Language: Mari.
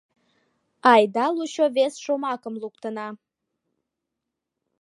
Айда лучо вес шомакым луктына.